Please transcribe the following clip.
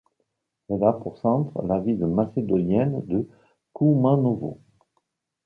Elle a pour centre la ville macédonienne de Koumanovo.